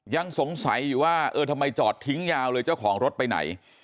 ยังสงสัยอยู่ว่าเออทำไมจอดทิ้งยาวเลยเจ้าของรถไปไหน